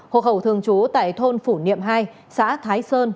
hộ khẩu thường trú tại thôn phủ niệm hai xã thái sơn